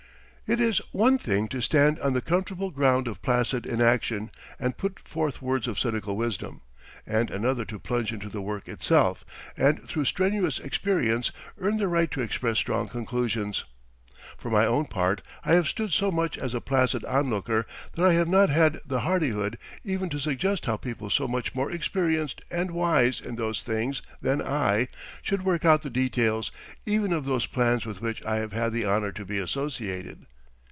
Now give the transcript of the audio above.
It is one thing to stand on the comfortable ground of placid inaction and put forth words of cynical wisdom, and another to plunge into the work itself and through strenuous experience earn the right to express strong conclusions. For my own part, I have stood so much as a placid onlooker that I have not had the hardihood even to suggest how people so much more experienced and wise in those things than I should work out the details even of those plans with which I have had the honour to be associated.